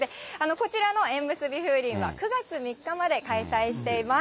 こちらの縁むすび風鈴は、９月３日まで開催しています。